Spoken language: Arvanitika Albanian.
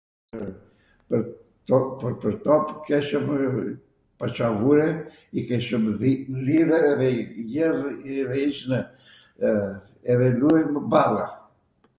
pwr top, pwr top keshwmw paCavure, i keshmw lidhw edhe ishnw edhe luajmw balla